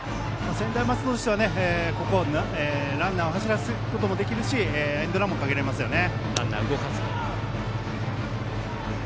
専大松戸としてはランナーを走らせることもできるしエンドランもかけられますね。